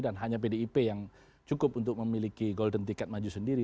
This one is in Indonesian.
hanya pdip yang cukup untuk memiliki golden ticket maju sendiri